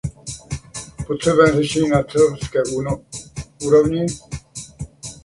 Potřebujeme řešení na celoevropské úrovni.